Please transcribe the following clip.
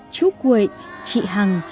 chú quệ chị hằng